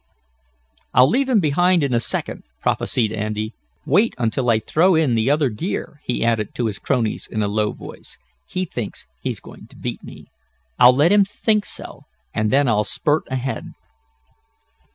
"I'll leave him behind in a second," prophesied Andy. "Wait until I throw in the other gear," he added to his cronies in a low voice. "He thinks he's going to beat me. I'll let him think so, and then I'll spurt ahead."